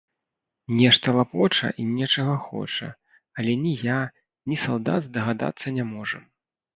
Нешта лапоча і нечага хоча, але ні я, ні салдат здагадацца не можам.